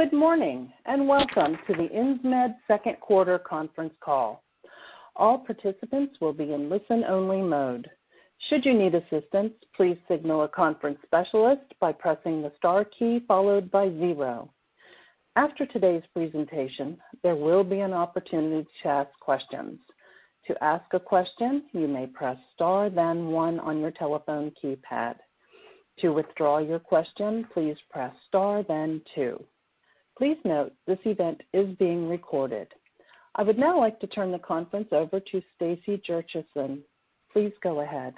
Good morning and welcome to the Insmed Second Quarter Conference Call. All participants will be in listen only mode. Should you need assistance, please signal a conference specialist by pressing the star key followed by zero. After today's presentation, there will be an opportunity to ask questions. To ask a question, you may press star then one on your telephone keypad. To withdraw your question, please press star then two. Please note, this event is being recorded. I would now like to turn the conference over to Stacey Jurchison. Please go ahead.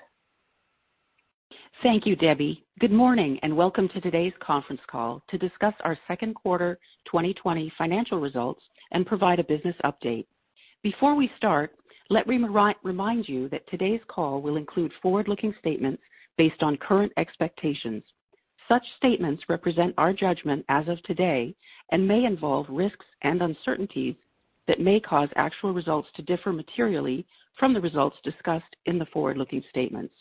Thank you, Debbie. Good morning and welcome to today's conference call to discuss our second quarter 2020 financial results and provide a business update. Before we start, let me remind you that today's call will include forward-looking statements based on current expectations. Such statements represent our judgment as of today and may involve risks and uncertainties that may cause actual results to differ materially from the results discussed in the forward-looking statements.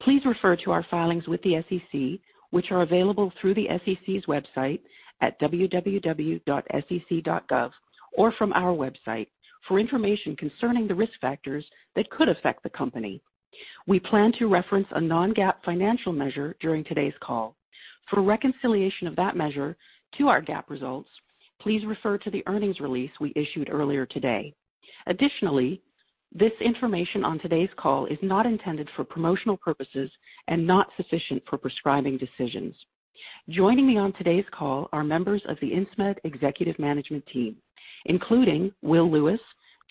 Please refer to our filings with the SEC, which are available through the SEC's website at www.sec.gov or from our website for information concerning the risk factors that could affect the company. We plan to reference a non-GAAP financial measure during today's call. For reconciliation of that measure to our GAAP results, please refer to the earnings release we issued earlier today. Additionally, this information on today's call is not intended for promotional purposes and not sufficient for prescribing decisions. Joining me on today's call are members of the Insmed executive management team, including Will Lewis,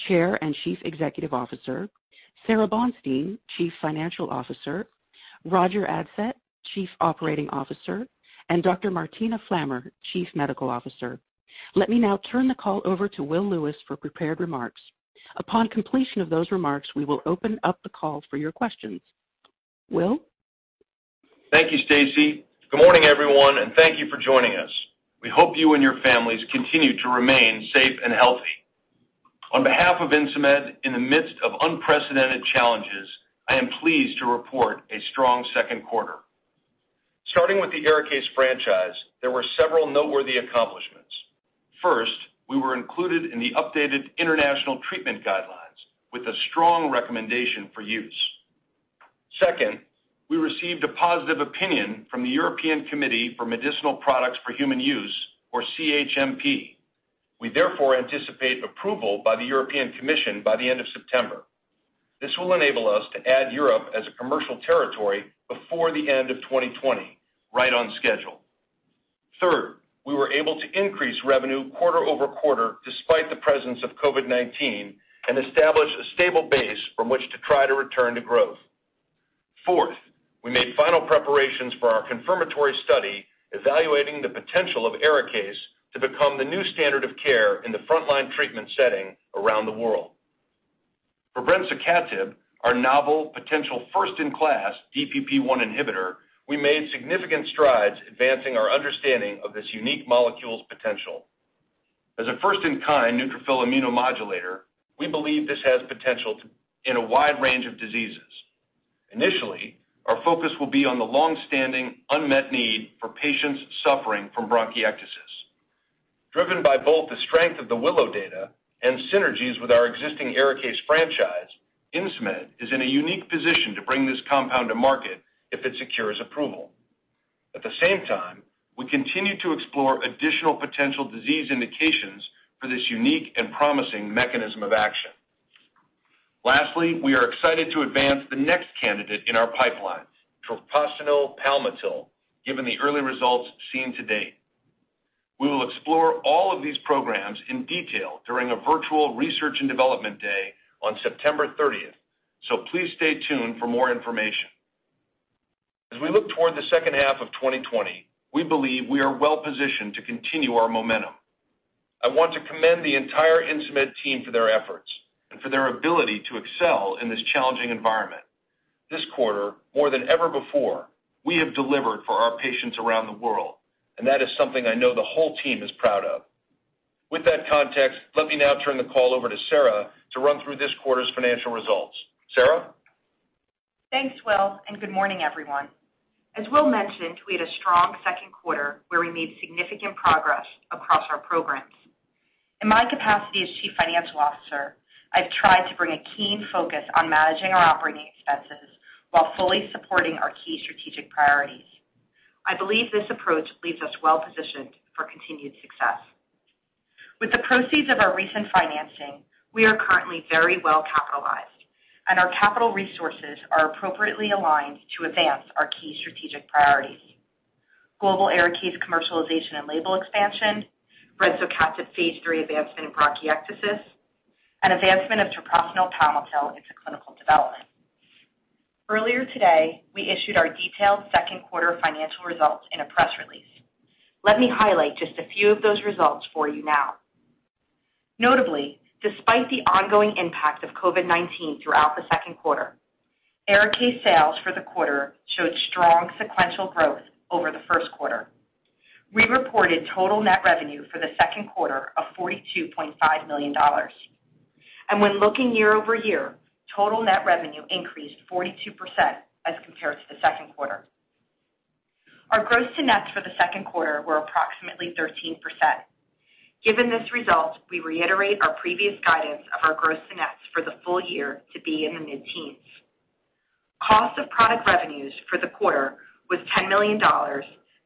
Chair and Chief Executive Officer, Sara Bonstein, Chief Financial Officer, Roger Adsett, Chief Operating Officer, and Dr. Martina Flammer, Chief Medical Officer. Let me now turn the call over to Will Lewis for prepared remarks. Upon completion of those remarks, we will open up the call for your questions. Will? Thank you, Stacey. Good morning, everyone, and thank you for joining us. We hope you and your families continue to remain safe and healthy. On behalf of Insmed, in the midst of unprecedented challenges, I am pleased to report a strong second quarter. Starting with the ARIKAYCE franchise, there were several noteworthy accomplishments. First, we were included in the updated international treatment guidelines with a strong recommendation for use. Second, we received a positive opinion from the Committee for Medicinal Products for Human Use, or CHMP. We therefore anticipate approval by the European Commission by the end of September. This will enable us to add Europe as a commercial territory before the end of 2020, right on schedule. Third, we were able to increase revenue quarter-over-quarter despite the presence of COVID-19 and establish a stable base from which to try to return to growth. Fourth, we made final preparations for our confirmatory study evaluating the potential of ARIKAYCE to become the new standard of care in the frontline treatment setting around the world. For brensocatib, our novel potential first-in-class DPP1 inhibitor, we made significant strides advancing our understanding of this unique molecule's potential. As a first in kind neutrophil immunomodulator, we believe this has potential in a wide range of diseases. Initially, our focus will be on the longstanding unmet need for patients suffering from bronchiectasis. Driven by both the strength of the WILLOW data and synergies with our existing ARIKAYCE franchise, Insmed is in a unique position to bring this compound to market if it secures approval. At the same time, we continue to explore additional potential disease indications for this unique and promising mechanism of action. Lastly, we are excited to advance the next candidate in our pipeline, treprostinil palmitate, given the early results seen to date. We will explore all of these programs in detail during a virtual research and development day on September 30th. Please stay tuned for more information. As we look toward the second half of 2020, we believe we are well-positioned to continue our momentum. I want to commend the entire Insmed team for their efforts and for their ability to excel in this challenging environment. This quarter, more than ever before, we have delivered for our patients around the world, and that is something I know the whole team is proud of. With that context, let me now turn the call over to Sara to run through this quarter's financial results. Sara? Thanks, Will. Good morning, everyone. As Will mentioned, we had a strong second quarter where we made significant progress across our programs. In my capacity as Chief Financial Officer, I've tried to bring a keen focus on managing our operating expenses while fully supporting our key strategic priorities. I believe this approach leaves us well-positioned for continued success. With the proceeds of our recent financing, we are currently very well capitalized, and our capital resources are appropriately aligned to advance our key strategic priorities. Global ARIKAYCE commercialization and label expansion, brensocatib phase III advancement in bronchiectasis, and advancement of treprostinil palmitate into clinical development. Earlier today, we issued our detailed second quarter financial results in a press release. Let me highlight just a few of those results for you now. Notably, despite the ongoing impact of COVID-19 throughout the second quarter, ARIKAYCE sales for the quarter showed strong sequential growth over the first quarter. We reported total net revenue for the second quarter of $42.5 million. When looking year-over-year, total net revenue increased 42% as compared to the second quarter. Our gross to nets for the second quarter were approximately 13%. Given this result, we reiterate our previous guidance of our gross to nets for the full year to be in the mid-teens. Cost of product revenues for the quarter was $10 million,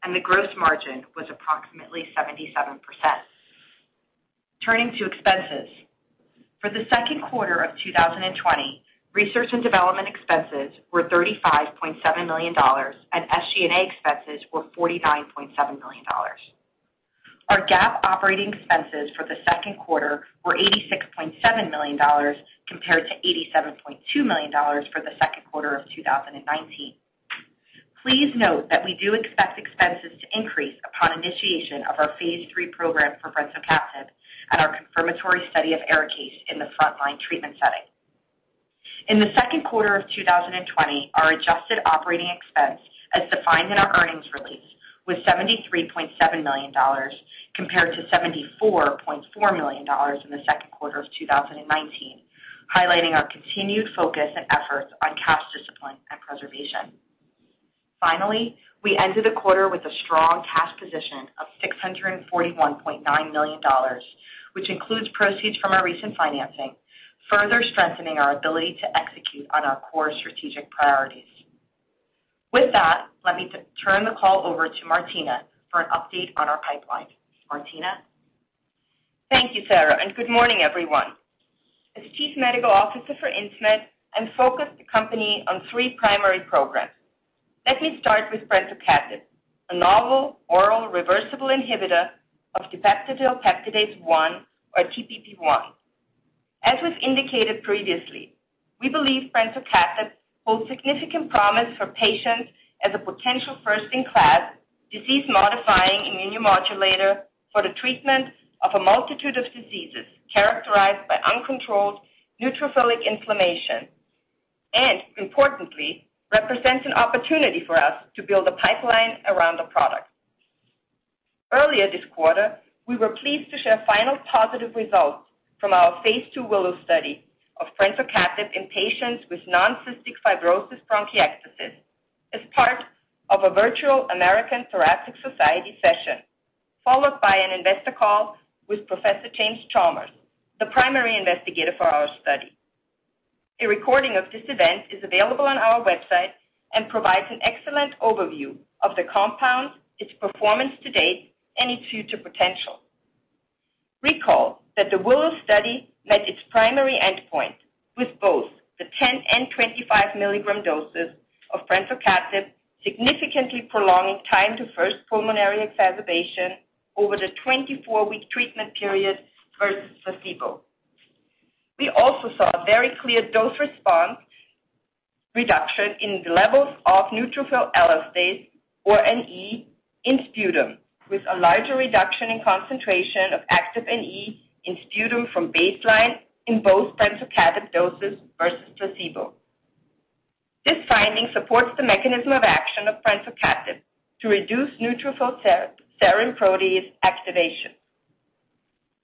and the gross margin was approximately 77%. Turning to expenses. For the second quarter of 2020, research and development expenses were $35.7 million, and SG&A expenses were $49.7 million. Our GAAP operating expenses for the second quarter were $86.7 million compared to $87.2 million for the second quarter of 2019. Please note that we do expect expenses to increase upon initiation of our phase III program for brensocatib and our confirmatory study of ARIKAYCE in the frontline treatment setting. In the second quarter of 2020, our adjusted operating expense, as defined in our earnings release, was $73.7 million compared to $74.4 million in the second quarter of 2019, highlighting our continued focus and efforts on cash discipline and preservation. Finally, we ended the quarter with a strong cash position of $641.9 million, which includes proceeds from our recent financing, further strengthening our ability to execute on our core strategic priorities. With that, let me turn the call over to Martina for an update on our pipeline. Martina? Thank you, Sara, and good morning, everyone. As Chief Medical Officer for Insmed, I'm focused the company on three primary programs. Let me start with brensocatib, a novel oral reversible inhibitor of dipeptidyl peptidase 1 or DPP1. As was indicated previously, we believe brensocatib holds significant promise for patients as a potential first-in-class disease-modifying immunomodulator for the treatment of a multitude of diseases characterized by uncontrolled neutrophilic inflammation, importantly, represents an opportunity for us to build a pipeline around the product. Earlier this quarter, we were pleased to share final positive results from our phase II WILLOW study of brensocatib in patients with non-cystic fibrosis bronchiectasis as part of a virtual American Thoracic Society session, followed by an investor call with Professor James Chalmers, the primary investigator for our study. A recording of this event is available on our website and provides an excellent overview of the compound, its performance to date, and its future potential. Recall that the WILLOW study met its primary endpoint with both the 10 mg and 25 mg doses of brensocatib significantly prolonging time to first pulmonary exacerbation over the 24-week treatment period versus placebo. We also saw a very clear dose response reduction in the levels of neutrophil elastase, or NE, in sputum, with a larger reduction in concentration of active NE in sputum from baseline in both brensocatib doses versus placebo. This finding supports the mechanism of action of brensocatib to reduce neutrophil serine protease activation.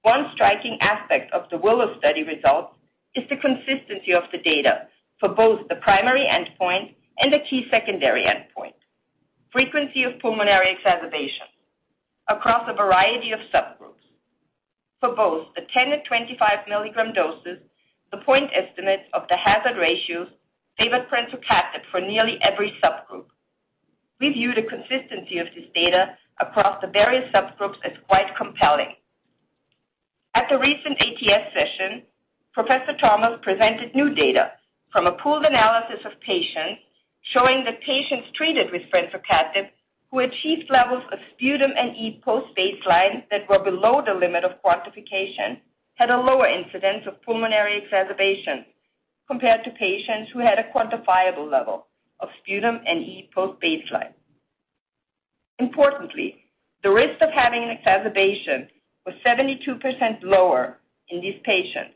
One striking aspect of the WILLOW study results is the consistency of the data for both the primary endpoint and a key secondary endpoint, frequency of pulmonary exacerbations across a variety of subgroups. For both the 10 mg and 25 mg doses, the point estimates of the hazard ratios favored brensocatib for nearly every subgroup. We view the consistency of this data across the various subgroups as quite compelling. At the recent ATS session, Professor Chalmers presented new data from a pooled analysis of patients, showing that patients treated with brensocatib who achieved levels of sputum NE post baseline that were below the limit of quantification had a lower incidence of pulmonary exacerbations compared to patients who had a quantifiable level of sputum NE post baseline. Importantly, the risk of having an exacerbation was 72% lower in these patients,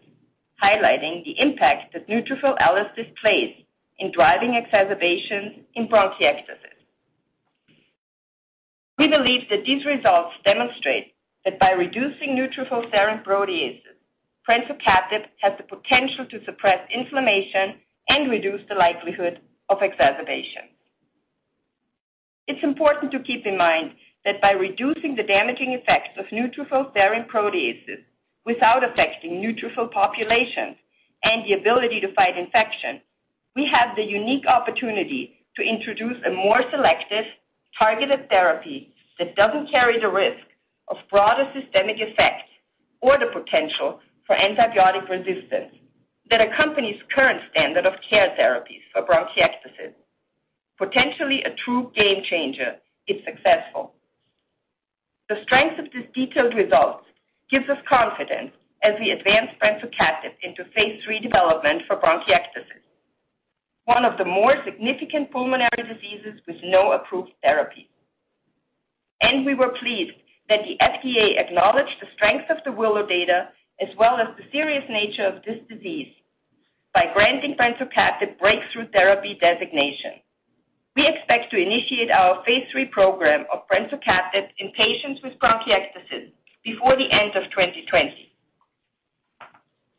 highlighting the impact that neutrophil elastase plays in driving exacerbations in bronchiectasis. We believe that these results demonstrate that by reducing neutrophil serine proteases, brensocatib has the potential to suppress inflammation and reduce the likelihood of exacerbations. It's important to keep in mind that by reducing the damaging effects of neutrophil serine proteases without affecting neutrophil populations and the ability to fight infection, we have the unique opportunity to introduce a more selective, targeted therapy that doesn't carry the risk of broader systemic effects or the potential for antibiotic resistance that accompanies current standard of care therapies for bronchiectasis. Potentially a true game changer if successful. The strength of these detailed results gives us confidence as we advance brensocatib into phase III development for bronchiectasis, one of the more significant pulmonary diseases with no approved therapy. We were pleased that the FDA acknowledged the strength of the WILLOW data as well as the serious nature of this disease. By granting brensocatib breakthrough therapy designation, we expect to initiate our phase III program of brensocatib in patients with bronchiectasis before the end of 2020.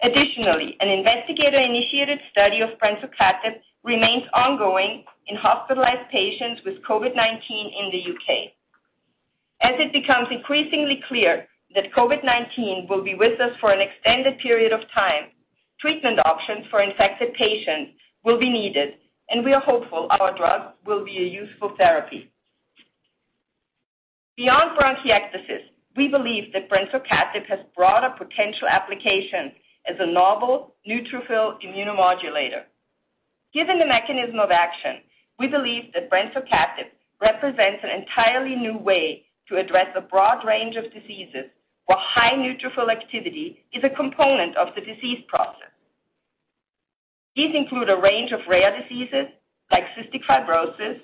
Additionally, an investigator-initiated study of brensocatib remains ongoing in hospitalized patients with COVID-19 in the U.K. As it becomes increasingly clear that COVID-19 will be with us for an extended period of time, treatment options for infected patients will be needed, and we are hopeful our drug will be a useful therapy. Beyond bronchiectasis, we believe that brensocatib has broader potential application as a novel neutrophil immunomodulator. Given the mechanism of action, we believe that brensocatib represents an entirely new way to address a broad range of diseases where high neutrophil activity is a component of the disease process. These include a range of rare diseases like cystic fibrosis,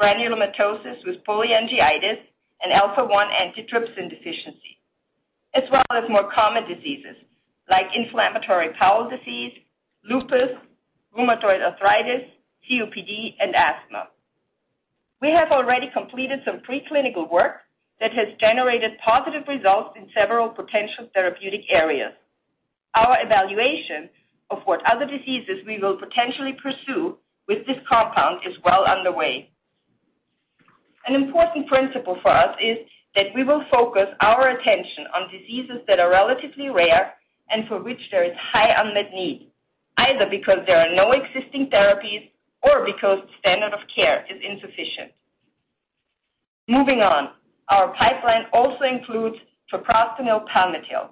granulomatosis with polyangiitis, and alpha-1 antitrypsin deficiency, as well as more common diseases like inflammatory bowel disease, lupus, rheumatoid arthritis, COPD, and asthma. We have already completed some preclinical work that has generated positive results in several potential therapeutic areas. Our evaluation of what other diseases we will potentially pursue with this compound is well underway. An important principle for us is that we will focus our attention on diseases that are relatively rare and for which there is high unmet need, either because there are no existing therapies or because standard of care is insufficient. Moving on, our pipeline also includes treprostinil palmitate,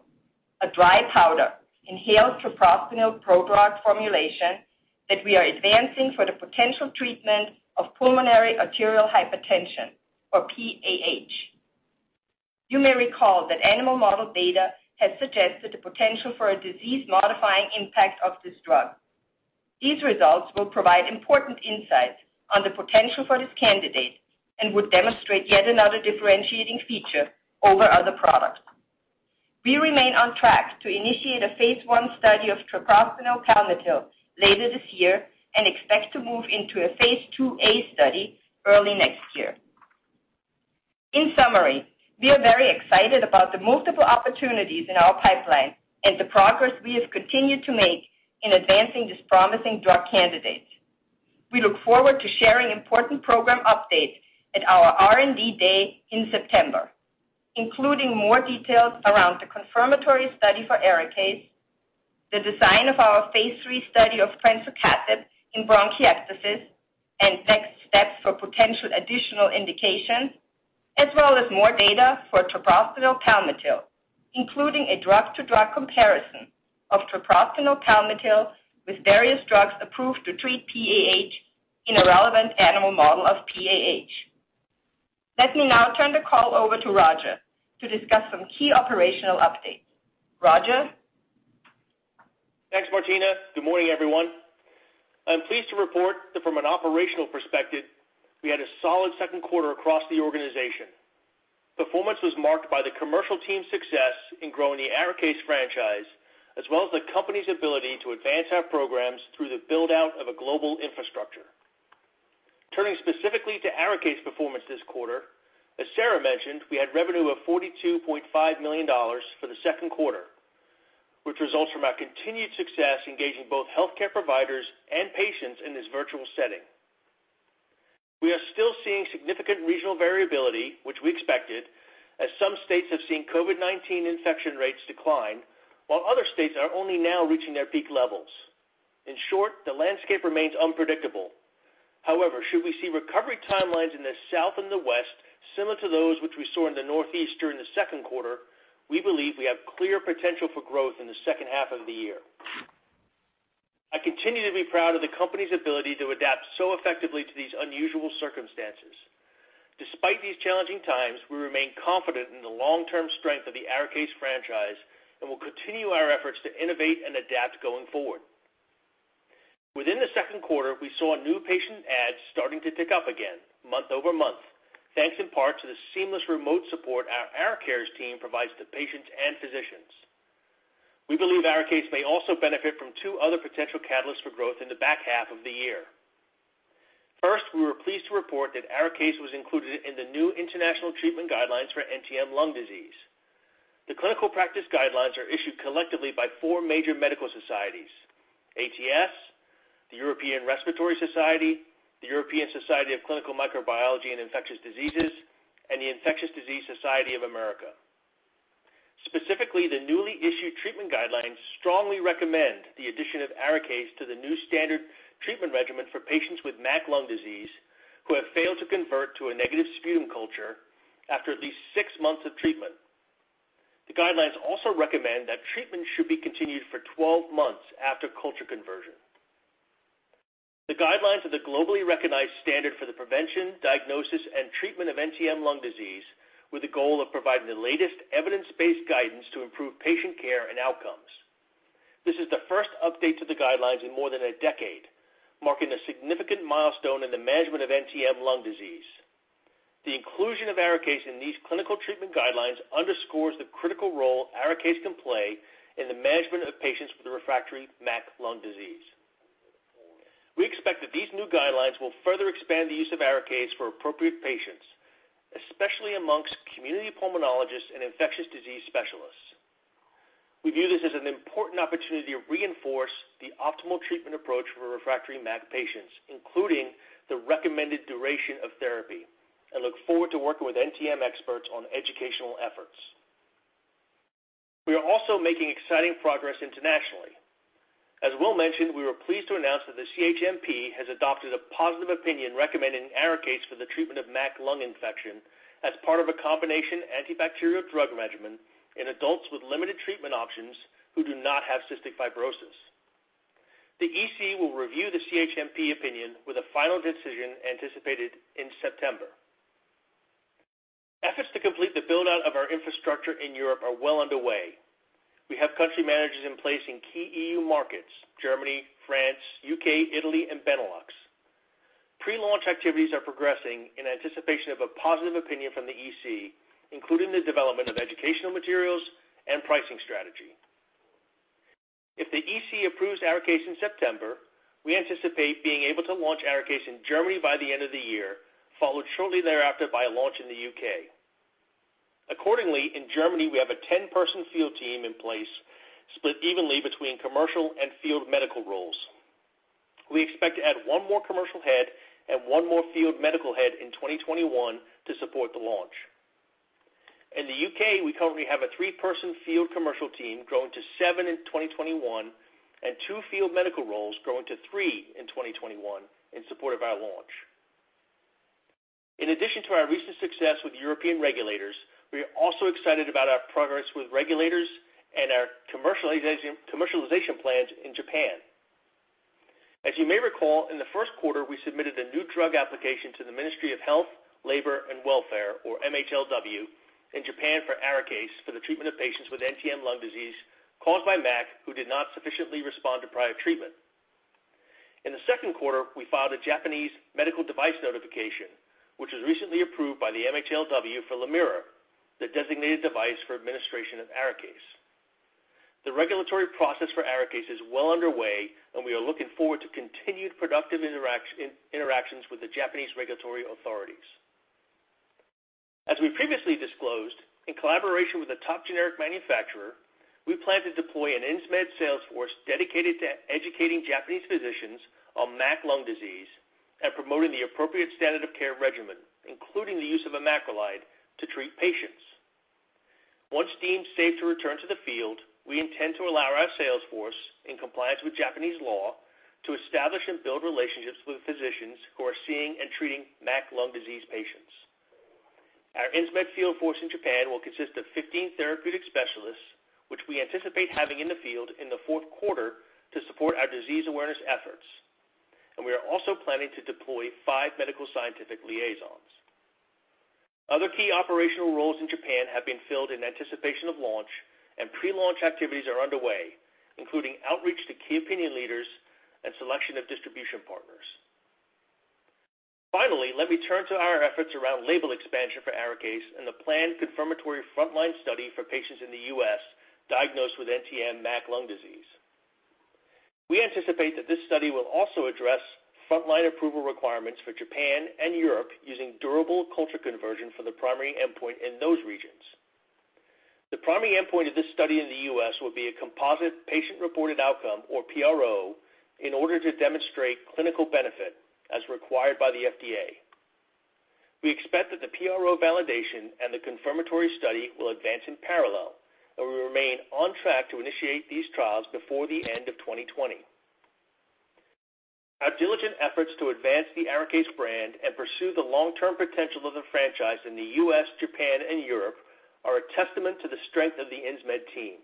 a dry powder inhaled treprostinil pro-drug formulation that we are advancing for the potential treatment of pulmonary arterial hypertension, or PAH. You may recall that animal model data has suggested the potential for a disease-modifying impact of this drug. These results will provide important insights on the potential for this candidate and would demonstrate yet another differentiating feature over other products. We remain on track to initiate a phase I study of treprostinil palmitate later this year and expect to move into a phase IIa study early next year. In summary, we are very excited about the multiple opportunities in our pipeline and the progress we have continued to make in advancing this promising drug candidate. We look forward to sharing important program updates at our R&D Day in September, including more details around the confirmatory study for ARIKAYCE, the design of our phase III study of brensocatib in bronchiectasis, and next steps for potential additional indications, as well as more data for treprostinil palmitate, including a drug-to-drug comparison of treprostinil palmitate with various drugs approved to treat PAH in a relevant animal model of PAH. Let me now turn the call over to Roger to discuss some key operational updates. Roger? Thanks, Martina. Good morning, everyone. I'm pleased to report that from an operational perspective, we had a solid second quarter across the organization. Performance was marked by the commercial team's success in growing the ARIKAYCE franchise, as well as the company's ability to advance our programs through the build-out of a global infrastructure. Turning specifically to ARIKAYCE performance this quarter, as Sara mentioned, we had revenue of $42.5 million for the second quarter, which results from our continued success engaging both healthcare providers and patients in this virtual setting. We are still seeing significant regional variability, which we expected, as some states have seen COVID-19 infection rates decline, while other states are only now reaching their peak levels. In short, the landscape remains unpredictable. However, should we see recovery timelines in the South and the West similar to those which we saw in the Northeast during the second quarter, we believe we have clear potential for growth in the second half of the year. I continue to be proud of the company's ability to adapt so effectively to these unusual circumstances. Despite these challenging times, we remain confident in the long-term strength of the ARIKAYCE franchise and will continue our efforts to innovate and adapt going forward. Within the second quarter, we saw new patient adds starting to tick up again month-over-month, thanks in part to the seamless remote support our ARIKARES team provides to patients and physicians. We believe ARIKAYCE may also benefit from two other potential catalysts for growth in the back half of the year. First, we were pleased to report that ARIKAYCE was included in the new international treatment guidelines for NTM lung disease. The clinical practice guidelines are issued collectively by four major medical societies: ATS, the European Respiratory Society, the European Society of Clinical Microbiology and Infectious Diseases, and the Infectious Diseases Society of America. Specifically, the newly issued treatment guidelines strongly recommend the addition of ARIKAYCE to the new standard treatment regimen for patients with MAC lung disease who have failed to convert to a negative sputum culture after at least six months of treatment. The guidelines also recommend that treatment should be continued for 12 months after culture conversion. The guidelines are the globally recognized standard for the prevention, diagnosis, and treatment of NTM lung disease, with the goal of providing the latest evidence-based guidance to improve patient care and outcomes. This is the first update to the guidelines in more than a decade, marking a significant milestone in the management of NTM lung disease. The inclusion of ARIKAYCE in these clinical treatment guidelines underscores the critical role ARIKAYCE can play in the management of patients with refractory MAC lung disease. We expect that these new guidelines will further expand the use of ARIKAYCE for appropriate patients, especially amongst community pulmonologists and infectious disease specialists. We view this as an important opportunity to reinforce the optimal treatment approach for refractory MAC patients, including the recommended duration of therapy and look forward to working with NTM experts on educational efforts. We are also making exciting progress internationally. As Will mentioned, we were pleased to announce that the CHMP has adopted a positive opinion recommending ARIKAYCE for the treatment of MAC lung infection as part of a combination antibacterial drug regimen in adults with limited treatment options who do not have cystic fibrosis. The EC will review the CHMP opinion with a final decision anticipated in September. Efforts to complete the build-out of our infrastructure in Europe are well underway. We have country managers in place in key EU markets, Germany, France, U.K., Italy, and Benelux. Pre-launch activities are progressing in anticipation of a positive opinion from the EC, including the development of educational materials and pricing strategy. If the EC approves ARIKAYCE in September, we anticipate being able to launch ARIKAYCE in Germany by the end of the year, followed shortly thereafter by a launch in the U.K. Accordingly, in Germany, we have a 10-person field team in place, split evenly between commercial and field medical roles. We expect to add one more commercial head and one more field medical head in 2021 to support the launch. In the U.K., we currently have a three-person field commercial team growing to seven in 2021, and two field medical roles growing to three in 2021 in support of our launch. In addition to our recent success with European regulators, we are also excited about our progress with regulators and our commercialization plans in Japan. As you may recall, in the first quarter, we submitted a new drug application to the Ministry of Health, Labour and Welfare, or MHLW, in Japan for ARIKAYCE for the treatment of patients with NTM lung disease caused by MAC who did not sufficiently respond to prior treatment. In the second quarter, we filed a Japanese medical device notification, which was recently approved by the MHLW for LAMIRA, the designated device for administration of ARIKAYCE. The regulatory process for ARIKAYCE is well underway, and we are looking forward to continued productive interactions with the Japanese regulatory authorities. As we previously disclosed, in collaboration with a top generic manufacturer, we plan to deploy an Insmed sales force dedicated to educating Japanese physicians on MAC lung disease and promoting the appropriate standard of care regimen, including the use of a macrolide to treat patients. Once deemed safe to return to the field, we intend to allow our sales force, in compliance with Japanese law, to establish and build relationships with physicians who are seeing and treating MAC lung disease patients. Our Insmed field force in Japan will consist of 15 therapeutic specialists, which we anticipate having in the field in the fourth quarter to support our disease awareness efforts, and we are also planning to deploy five medical science liaisons. Other key operational roles in Japan have been filled in anticipation of launch and pre-launch activities are underway, including outreach to Key Opinion Leaders and selection of distribution partners. Finally, let me turn to our efforts around label expansion for ARIKAYCE and the planned confirmatory frontline study for patients in the U.S. diagnosed with NTM MAC lung disease. We anticipate that this study will also address frontline approval requirements for Japan and Europe using durable culture conversion for the primary endpoint in those regions. The primary endpoint of this study in the U.S. will be a composite patient-reported outcome, or PRO, in order to demonstrate clinical benefit as required by the FDA. We expect that the PRO validation and the confirmatory study will advance in parallel, and we remain on track to initiate these trials before the end of 2020. Our diligent efforts to advance the ARIKAYCE brand and pursue the long-term potential of the franchise in the U.S., Japan, and Europe are a testament to the strength of the Insmed team.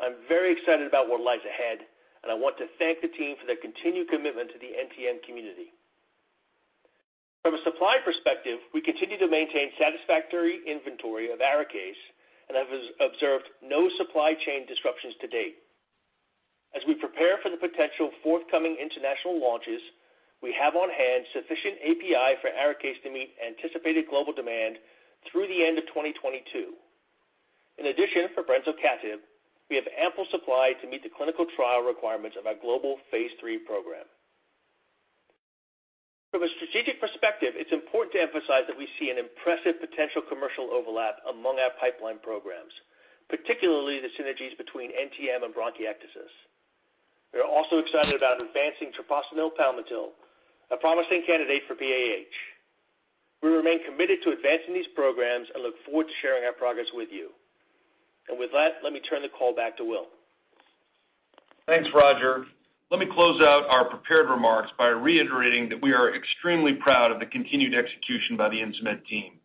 I'm very excited about what lies ahead, and I want to thank the team for their continued commitment to the NTM community. From a supply perspective, we continue to maintain satisfactory inventory of ARIKAYCE and have observed no supply chain disruptions to date. As we prepare for the potential forthcoming international launches, we have on hand sufficient API for ARIKAYCE to meet anticipated global demand through the end of 2022. In addition, for brensocatib, we have ample supply to meet the clinical trial requirements of our global phase III program. From a strategic perspective, it's important to emphasize that we see an impressive potential commercial overlap among our pipeline programs, particularly the synergies between NTM and bronchiectasis. We are also excited about advancing treprostinil palmitate, a promising candidate for PAH. We remain committed to advancing these programs and look forward to sharing our progress with you. With that, let me turn the call back to Will. Thanks, Roger. Let me close out our prepared remarks by reiterating that we are extremely proud of the continued execution by the Insmed team.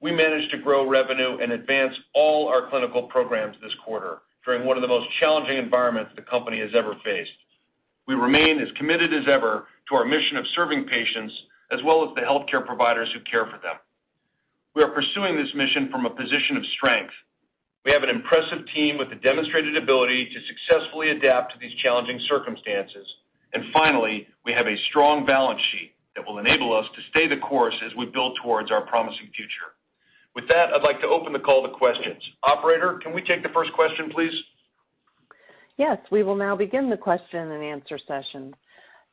We managed to grow revenue and advance all our clinical programs this quarter during one of the most challenging environments the company has ever faced. We remain as committed as ever to our mission of serving patients as well as the healthcare providers who care for them. We are pursuing this mission from a position of strength. We have an impressive team with a demonstrated ability to successfully adapt to these challenging circumstances. Finally, we have a strong balance sheet that will enable us to stay the course as we build towards our promising future. With that, I'd like to open the call to questions. Operator, can we take the first question, please? Yes, we will now begin the question and answer session.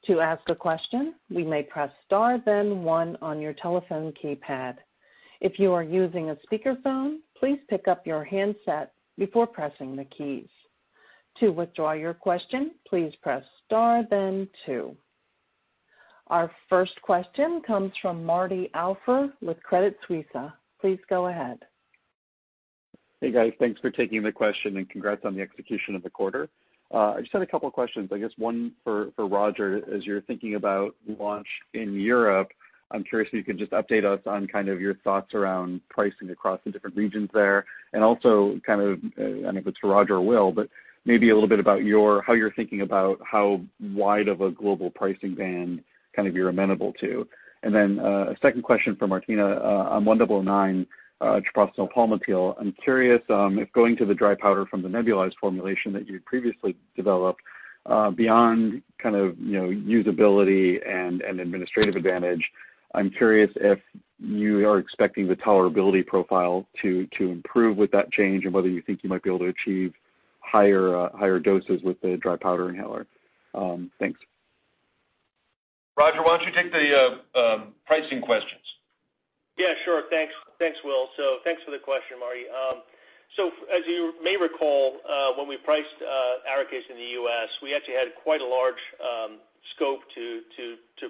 To ask a question, you may press star then one on your telephone keypad. If you are using a speakerphone, please pick up your handset before pressing the keys. To withdraw your question, please press star then two. Our first question comes from Martin Auster with Credit Suisse. Please go ahead. Hey guys, thanks for taking the question and congrats on the execution of the quarter. I just had a couple of questions, I guess one for Roger, as you're thinking about launch in Europe, I'm curious if you could just update us on kind of your thoughts around pricing across the different regions there, and also kind of, I don't know if it's for Roger or Will, but maybe a little bit about how you're thinking about how wide of a global pricing band you're amenable to. A second question for Martina. On INS1009, treprostinil palmitate, I'm curious if going to the dry powder from the nebulized formulation that you had previously developed, beyond usability and administrative advantage, I'm curious if you are expecting the tolerability profile to improve with that change and whether you think you might be able to achieve higher doses with the dry powder inhaler. Thanks. Roger, why don't you take the pricing questions? Yeah, sure. Thanks, Will. Thanks for the question, Martin. As you may recall, when we priced ARIKAYCE in the U.S., we actually had quite a large scope to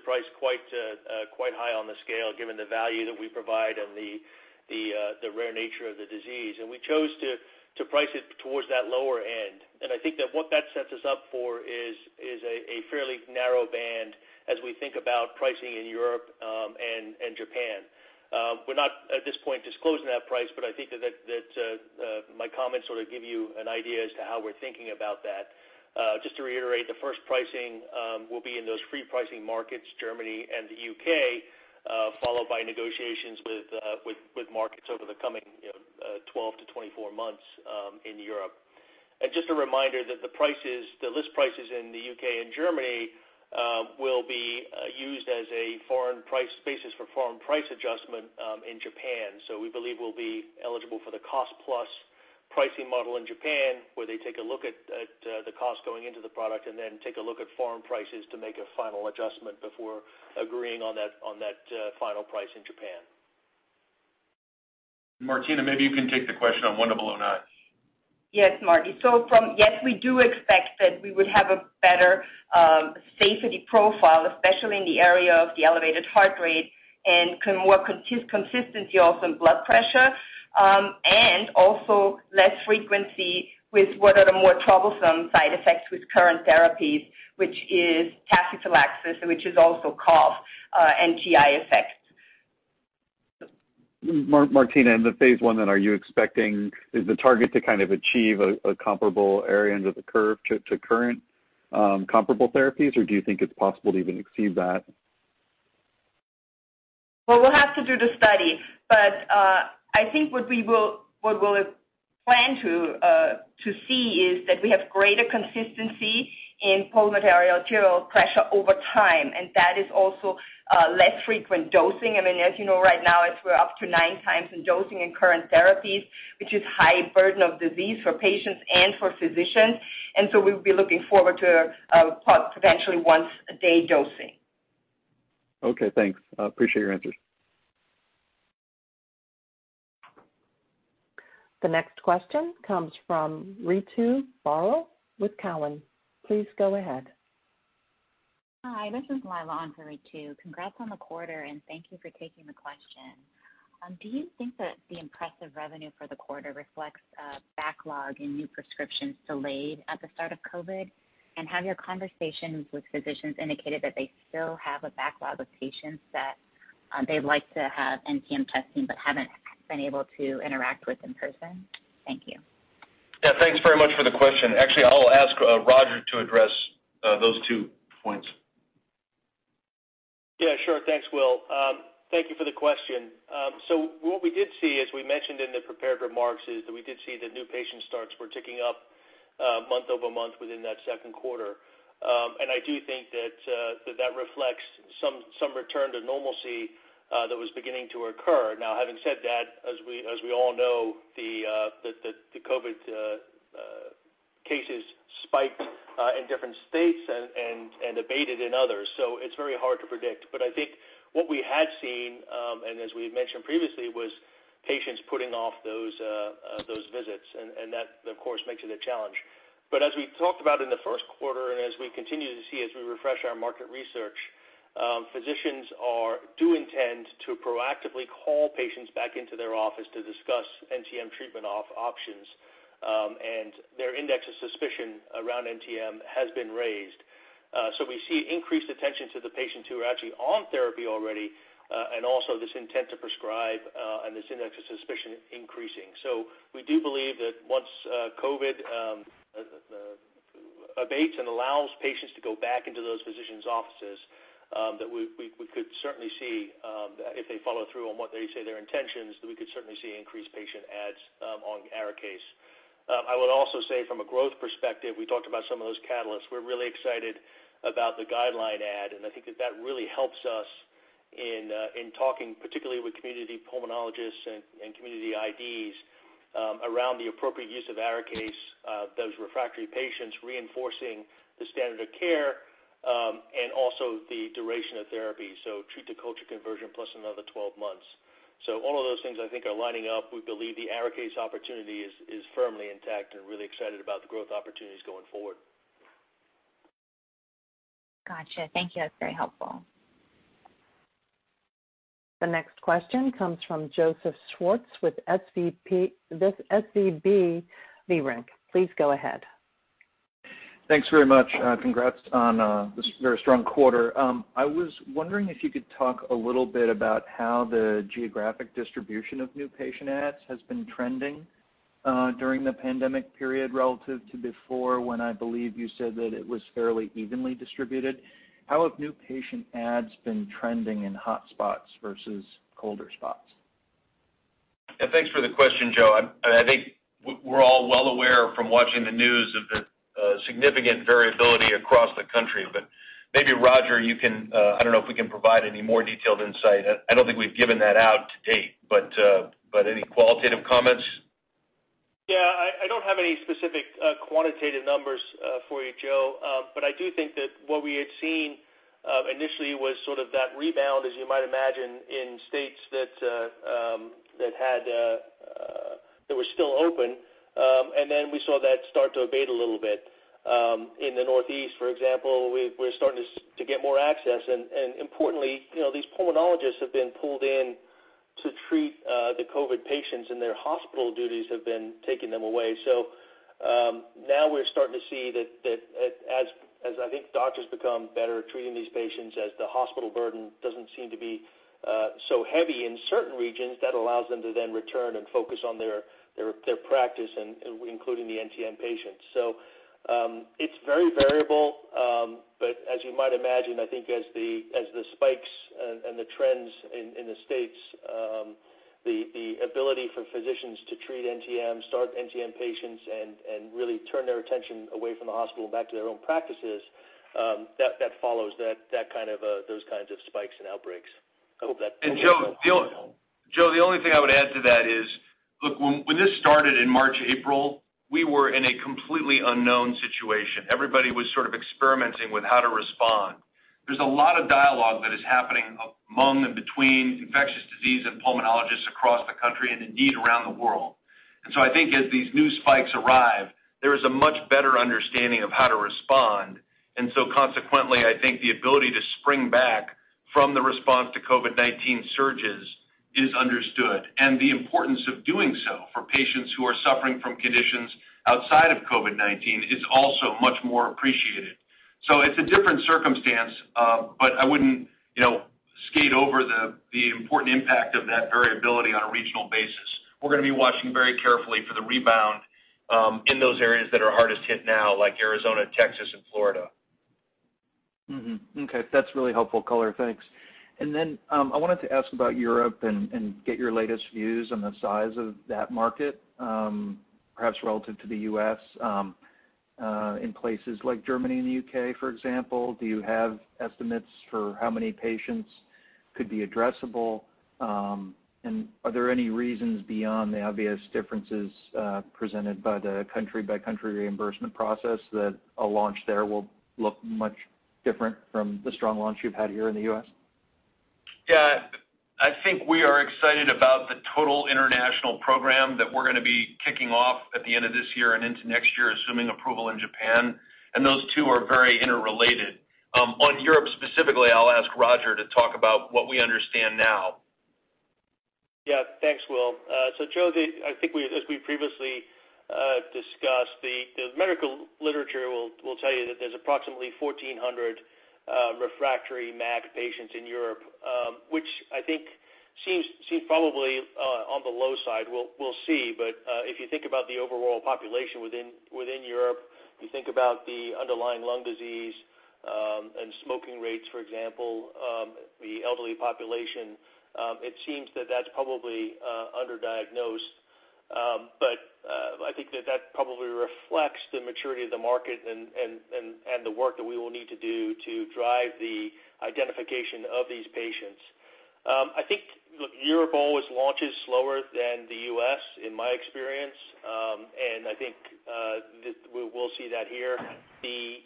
price quite high on the scale, given the value that we provide and the rare nature of the disease. We chose to price it towards that lower end. I think that what that sets us up for is a fairly narrow band as we think about pricing in Europe and Japan. We're not at this point disclosing that price, I think that my comments sort of give you an idea as to how we're thinking about that. Just to reiterate, the first pricing will be in those free pricing markets, Germany and the U.K., followed by negotiations with markets over the coming 12 to 24 months in Europe. Just a reminder that the list prices in the U.K. and Germany will be used as a basis for foreign price adjustment in Japan. We believe we'll be eligible for the cost-plus pricing model in Japan, where they take a look at the cost going into the product, and then take a look at foreign prices to make a final adjustment before agreeing on that final price in Japan. Martina, maybe you can take the question on INS1009. Yes, Martin. Yes, we do expect that we would have a better safety profile, especially in the area of the elevated heart rate and more consistency also in blood pressure. Also less frequency with what are the more troublesome side effects with current therapies, which is tachyphylaxis, which is also called NTI effects. Martina, in the phase I then, is the target to kind of achieve a comparable area under the curve to current comparable therapies, or do you think it's possible to even exceed that? Well, we'll have to do the study, but I think what we'll plan to see is that we have greater consistency in pulmonary arterial pressure over time. That is also less frequent dosing. As you know right now, we're up to nine times in dosing in current therapies, which is high burden of disease for patients and for physicians. We'll be looking forward to potentially once-a-day dosing. Okay, thanks. Appreciate your answers. The next question comes from Ritu Baral with Cowen. Please go ahead. Hi, this is Lyla in for Ritu. Congrats on the quarter, and thank you for taking the question. Do you think that the impressive revenue for the quarter reflects a backlog in new prescriptions delayed at the start of COVID? Have your conversations with physicians indicated that they still have a backlog of patients that they'd like to have NTM testing but haven't been able to interact with in person? Thank you. Yeah, thanks very much for the question. Actually, I'll ask Roger to address those two points. Yeah, sure. Thanks, Will. Thank you for the question. What we did see as we mentioned in the prepared remarks, is that we did see the new patient starts were ticking up month-over-month within that second quarter. I do think that reflects some return to normalcy that was beginning to occur. Now, having said that, as we all know, the COVID-19 cases spiked in different states and abated in others, so it's very hard to predict. I think what we had seen, and as we mentioned previously, was patients putting off those visits, and that of course makes it a challenge. As we talked about in the first quarter, and as we continue to see as we refresh our market research, physicians do intend to proactively call patients back into their office to discuss NTM treatment options. Their index of suspicion around NTM has been raised. We see increased attention to the patients who are actually on therapy already, and also this intent to prescribe and this index of suspicion increasing. We do believe that once COVID-19 abates and allows patients to go back into those physicians' offices, that we could certainly see, if they follow through on what they say their intentions, that we could certainly see increased patient adds on ARIKAYCE. I would also say from a growth perspective, we talked about some of those catalysts. We're really excited about the guideline add, and I think that that really helps us in talking particularly with community pulmonologists and community IDs around the appropriate use of ARIKAYCE, those refractory patients reinforcing the standard of care, and also the duration of therapy. Treat to culture conversion plus another 12 months. All of those things I think are lining up. We believe the ARIKAYCE opportunity is firmly intact and really excited about the growth opportunities going forward. Got you. Thank you. That's very helpful. The next question comes from Joseph Schwartz with SVB Leerink. Please go ahead. Thanks very much. Congrats on this very strong quarter. I was wondering if you could talk a little bit about how the geographic distribution of new patient adds has been trending during the pandemic period relative to before when I believe you said that it was fairly evenly distributed. How have new patient adds been trending in hot spots versus colder spots? Yeah. Thanks for the question, Joe. I think we're all well aware from watching the news of the significant variability across the country. Maybe Roger, I don't know if we can provide any more detailed insight. I don't think we've given that out to date, but any qualitative comments? Yeah. I don't have any specific quantitative numbers for you, Joe. I do think that what we had seen initially was sort of that rebound, as you might imagine, in states that were still open. We saw that start to abate a little bit. In the Northeast, for example, we're starting to get more access. Importantly, these pulmonologists have been pulled in to treat the COVID patients, and their hospital duties have been taking them away. Now we're starting to see that as I think doctors become better at treating these patients, as the hospital burden doesn't seem to be so heavy in certain regions, that allows them to then return and focus on their practice and including the NTM patients. It's very variable. As you might imagine, I think as the spikes and the trends in the U.S., the ability for physicians to treat NTM, start NTM patients, and really turn their attention away from the hospital back to their own practices, that follows those kinds of spikes and outbreaks. I hope that answers your question. Joe, the only thing I would add to that is, look, when this started in March, April, we were in a completely unknown situation. Everybody was sort of experimenting with how to respond. There's a lot of dialogue that is happening among and between infectious disease and pulmonologists across the country and indeed around the world. I think as these new spikes arrive, there is a much better understanding of how to respond. Consequently, I think the ability to spring back from the response to COVID-19 surges is understood. The importance of doing so for patients who are suffering from conditions outside of COVID-19 is also much more appreciated. It's a different circumstance, but I wouldn't skate over the important impact of that variability on a regional basis. We're going to be watching very carefully for the rebound in those areas that are hardest hit now, like Arizona, Texas, and Florida. Okay. That's a really helpful color. Thanks. I wanted to ask about Europe and get your latest views on the size of that market, perhaps relative to the U.S., in places like Germany and the U.K., for example. Do you have estimates for how many patients could be addressable? Are there any reasons beyond the obvious differences presented by the country-by-country reimbursement process that a launch there will look much different from the strong launch you've had here in the U.S.? Yeah. I think we are excited about the total international program that we're going to be kicking off at the end of this year and into next year, assuming approval in Japan. Those two are very interrelated. On Europe specifically, I'll ask Roger to talk about what we understand now. Yeah. Thanks, Will. Joe, I think as we previously discussed, the medical literature will tell you that there's approximately 1,400 refractory MAC patients in Europe, which I think seems probably on the low side. We'll see. If you think about the overall population within Europe, you think about the underlying lung disease, and smoking rates, for example, the elderly population, it seems that that's probably underdiagnosed. I think that that probably reflects the maturity of the market and the work that we will need to do to drive the identification of these patients. I think Europe always launches slower than the U.S. in my experience. I think we'll see that here. The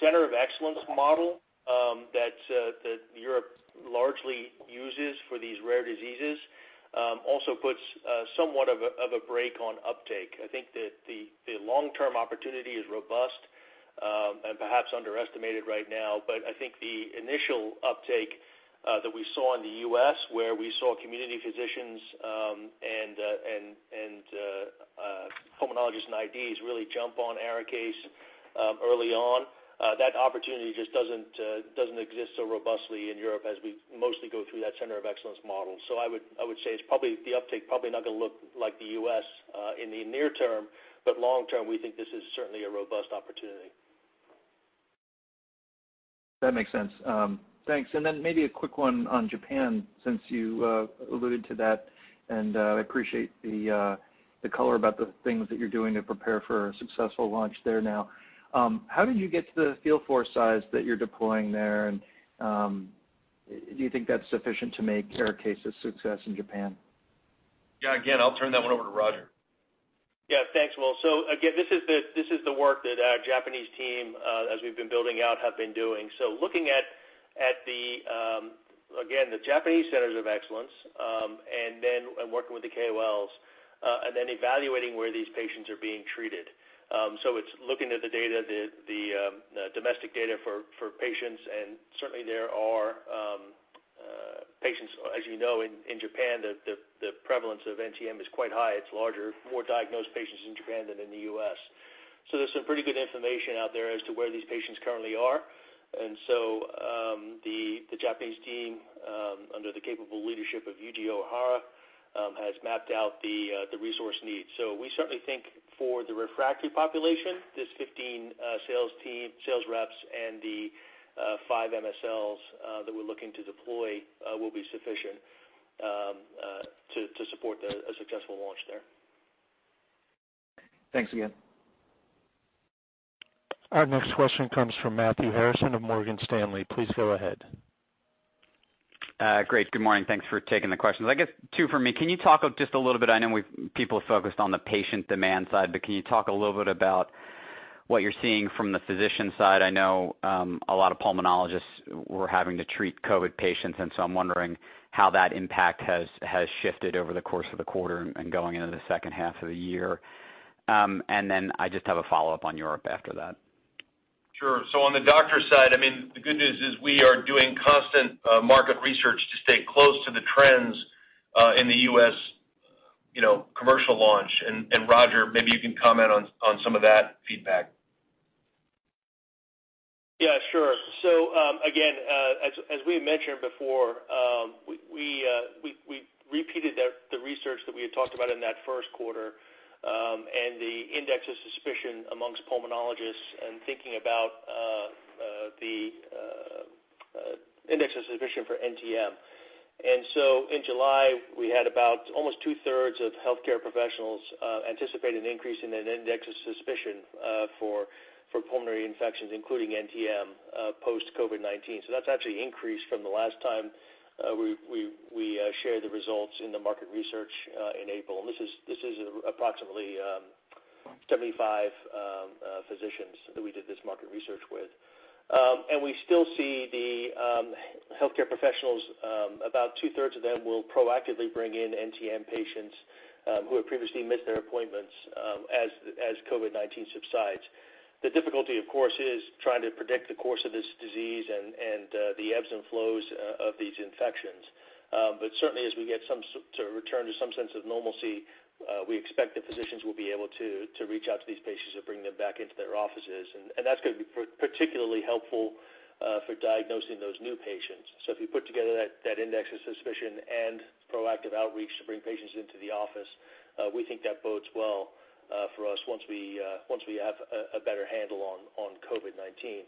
center of excellence model that Europe largely uses for these rare diseases also puts somewhat of a break on uptake. I think that the long-term opportunity is robust, and perhaps underestimated right now. I think the initial uptake that we saw in the U.S., where we saw community physicians and pulmonologists and IDs really jump on ARIKAYCE early on. That opportunity just doesn't exist so robustly in Europe as we mostly go through that center of excellence model. I would say the uptake probably not going to look like the U.S. in the near term, but long term, we think this is certainly a robust opportunity. That makes sense. Thanks. Maybe a quick one on Japan, since you alluded to that, and I appreciate the color about the things that you're doing to prepare for a successful launch there now. How did you get to the field force size that you're deploying there, and do you think that's sufficient to make your case a success in Japan? Yeah. Again, I'll turn that one over to Roger. Thanks, Will. Again, this is the work that our Japanese team, as we have been building out, have been doing. Looking at the, again, the Japanese centers of excellence, and then working with the KOLs, and then evaluating where these patients are being treated. It is looking at the data, the domestic data for patients, and certainly there are patients, as you know, in Japan, the prevalence of NTM is quite high. It is larger, more diagnosed patients in Japan than in the U.S. There is some pretty good information out there as to where these patients currently are. The Japanese team under the capable leadership of Yuji Ohara has mapped out the resource needs. We certainly think for the refractory population, this 15 sales team, sales reps, and the five MSLs that we are looking to deploy will be sufficient to support a successful launch there. Thanks again. Our next question comes from Matthew Harrison of Morgan Stanley. Please go ahead. Great. Good morning. Thanks for taking the questions. I guess two from me. Can you talk just a little bit, I know people focused on the patient demand side, but can you talk a little bit about what you're seeing from the physician side? I know a lot of pulmonologists were having to treat COVID patients, so I'm wondering how that impact has shifted over the course of the quarter and going into the second half of the year. I just have a follow-up on Europe after that. Sure. On the doctor side, the good news is we are doing constant market research to stay close to the trends in the U.S. commercial launch. Roger, maybe you can comment on some of that feedback. Yeah, sure. Again, as we mentioned before, we repeated the research that we had talked about in that first quarter and the index of suspicion amongst pulmonologists and thinking about the index of suspicion for NTM. In July, we had about almost two-thirds of healthcare professionals anticipating an increase in that index of suspicion for pulmonary infections, including NTM post COVID-19. That's actually increased from the last time we shared the results in the market research in April. This is approximately 75 physicians that we did this market research with. We still see the healthcare professionals, about two-thirds of them will proactively bring in NTM patients who have previously missed their appointments as COVID-19 subsides. The difficulty, of course, is trying to predict the course of this disease and the ebbs and flows of these infections. Certainly, as we return to some sense of normalcy, we expect that physicians will be able to reach out to these patients and bring them back into their offices. That's going to be particularly helpful for diagnosing those new patients. If you put together that index of suspicion and proactive outreach to bring patients into the office, we think that bodes well for us once we have a better handle on COVID-19.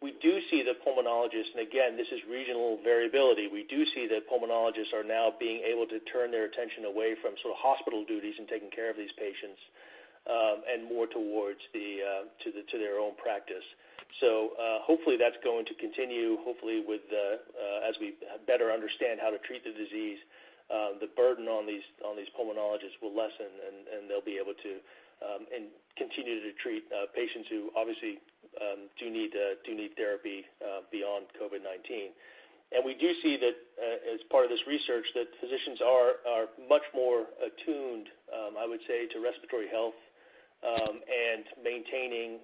We do see the pulmonologist, and again, this is regional variability. We do see that pulmonologists are now being able to turn their attention away from sort of hospital duties and taking care of these patients, and more towards their own practice. Hopefully that's going to continue. Hopefully as we better understand how to treat the disease, the burden on these pulmonologists will lessen, and they'll be able to continue to treat patients who obviously do need therapy beyond COVID-19. We do see that as part of this research, that physicians are much more attuned, I would say, to respiratory health and maintaining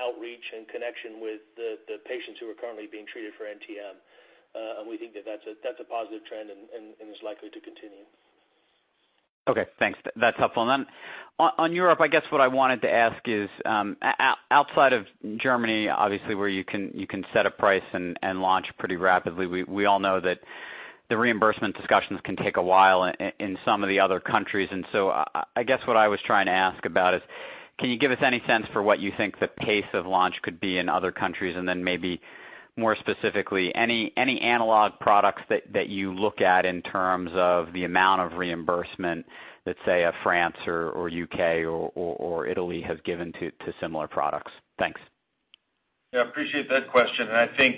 outreach and connection with the patients who are currently being treated for NTM. We think that that's a positive trend and is likely to continue. Okay, thanks. That's helpful. Then on Europe, I guess what I wanted to ask is, outside of Germany, obviously, where you can set a price and launch pretty rapidly. We all know that the reimbursement discussions can take a while in some of the other countries. So I guess what I was trying to ask about is, can you give us any sense for what you think the pace of launch could be in other countries? Then maybe more specifically, any analog products that you look at in terms of the amount of reimbursement that, say, a France or U.K. or Italy has given to similar products? Thanks. Yeah, I appreciate that question. I think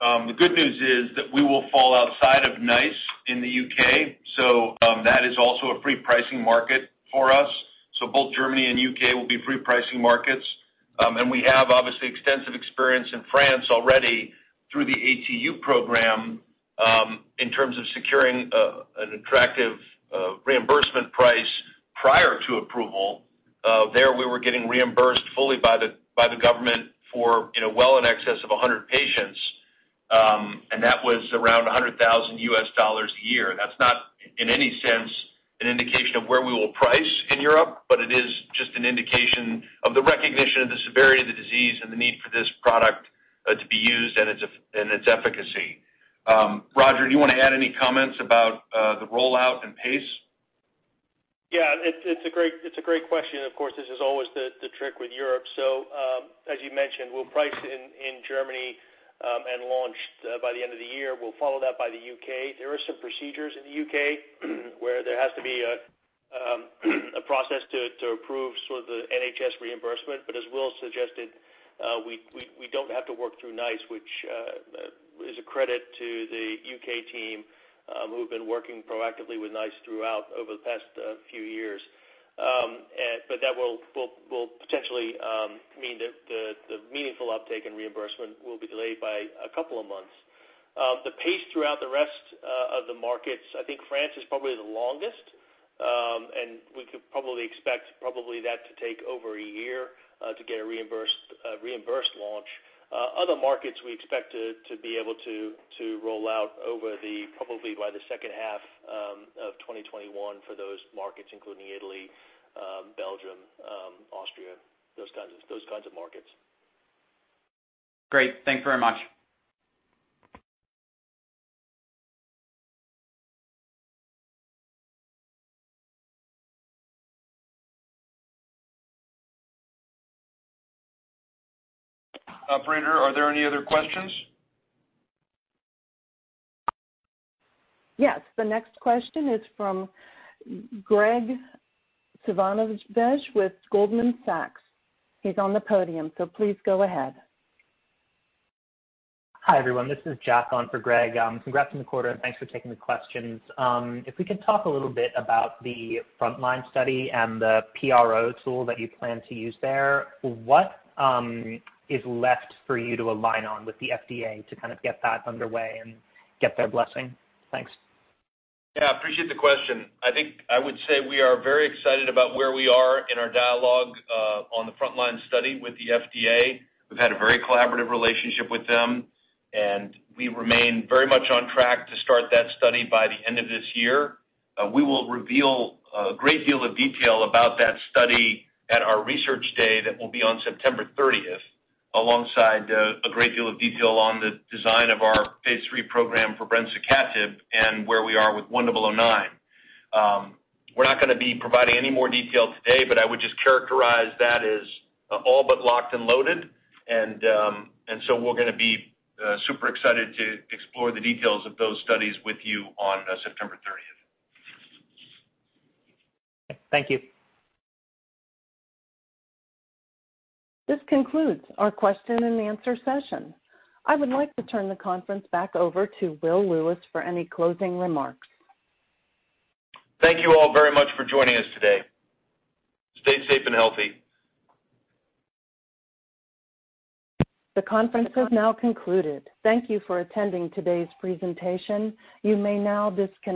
the good news is that we will fall outside of NICE in the U.K. That is also a free pricing market for us. Both Germany and U.K. will be free pricing markets. We have obviously extensive experience in France already through the ATU program in terms of securing an attractive reimbursement price prior to approval. There, we were getting reimbursed fully by the government for well in excess of 100 patients. That was around $100,000 a year. That's not, in any sense, an indication of where we will price in Europe, but it is just an indication of the recognition of the severity of the disease and the need for this product to be used and its efficacy. Roger, do you want to add any comments about the rollout and pace? Yeah, it's a great question. Of course, this is always the trick with Europe. As you mentioned, we'll price it in Germany and launch by the end of the year. We'll follow that by the U.K. There are some procedures in the U.K. where there has to be a process to approve sort of the NHS reimbursement. As Will suggested, we don't have to work through NICE, which is a credit to the U.K. team, who've been working proactively with NICE throughout, over the past few years. That will potentially mean that the meaningful uptake in reimbursement will be delayed by a couple of months. The pace throughout the rest of the markets, I think France is probably the longest, and we could probably expect that to take over a year to get a reimbursed launch. Other markets, we expect to be able to roll out over the, probably by the second half of 2021 for those markets, including Italy, Belgium, Austria, those kinds of markets. Great. Thanks very much. Operator, are there any other questions? Yes. The next question is from Graig Suvannavejh with Goldman Sachs. He's on the podium, so please go ahead. Hi, everyone. This is Jack on for Graig. Congrats on the quarter, and thanks for taking the questions. If we could talk a little bit about the frontline study and the PRO tool that you plan to use there, what is left for you to align on with the FDA to kind of get that underway and get their blessing? Thanks. Yeah, appreciate the question. I think I would say we are very excited about where we are in our dialogue on the frontline study with the FDA. We've had a very collaborative relationship with them. We remain very much on track to start that study by the end of this year. We will reveal a great deal of detail about that study at our research day that will be on September 30, alongside a great deal of detail on the design of our phase III program for brensocatib and where we are with INS1009. We're not going to be providing any more detail today. I would just characterize that as all but locked and loaded. We're going to be super excited to explore the details of those studies with you on September 30. Thank you. This concludes our question and answer session. I would like to turn the conference back over to Will Lewis for any closing remarks. Thank you all very much for joining us today. Stay safe and healthy. The conference has now concluded. Thank you for attending today's presentation. You may now dis-